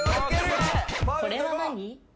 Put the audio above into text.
これは何？